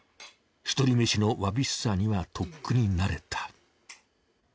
一人飯のわびしさにはとっくに慣れた。